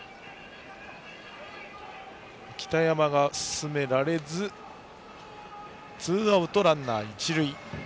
北山が進められずツーアウトランナー、一塁。